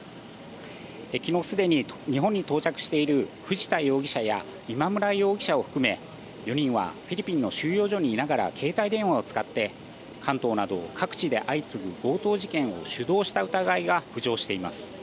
昨日すでに日本に到着している藤田容疑者や今村容疑者を含め４人はフィリピンの収容所にいながら携帯電話を使って関東など各地で相次ぐ強盗事件を主導した疑いが浮上しています。